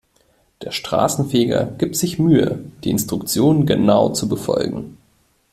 Der Straßenfeger gibt sich Mühe, die Instruktionen genau zu befolgen.